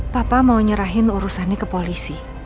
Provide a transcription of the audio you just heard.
papa mau nyerahin urusannya ke polisi